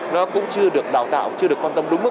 nó cũng chưa được đào tạo chưa được hoàn thiện